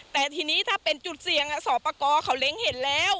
แต่ทีนี้ถ้าเป็นจุดเสี่ยงสอบประกอบเขาเล้งเห็นแล้ว